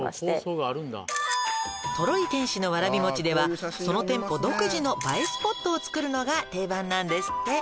「とろり天使のわらびもちではその店舗独自の映えスポットをつくるのが定番なんですって」